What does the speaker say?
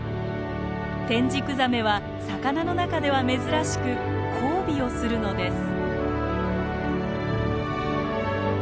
テンジクザメは魚の中では珍しく交尾をするのです。